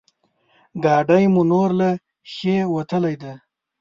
ګاډی مو نور له ښې وتلی دی.